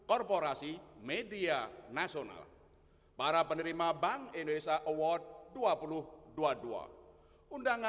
om swasihwhileah na at rebeliswa budaya